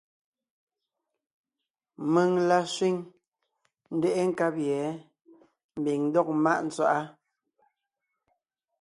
Mèŋ la sẅîŋ, ńdeʼe nkab yɛ̌ ḿbiŋ ńdɔg ḿmáʼ tswaʼá.